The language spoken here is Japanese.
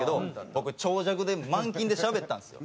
僕長尺でマンキンでしゃべったんですよ。